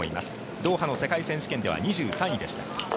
ドーハの世界選手権では２３位でした。